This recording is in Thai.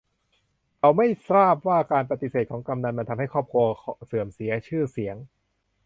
เขาไม่ทราบว่าการปฏิเสธของกำนัลมันทำให้ครอบครัวเสื่อมเสียชื่อเสียง